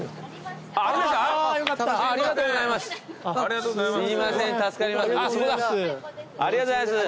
ありがとうございます。